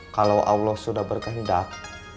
kalau allah sudah berkehendak